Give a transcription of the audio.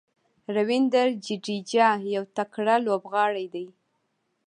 راوېندر جډیجا یو تکړه لوبغاړی دئ.